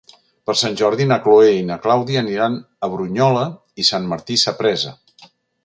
Per Sant Jordi na Chloé i na Clàudia aniran a Brunyola i Sant Martí Sapresa.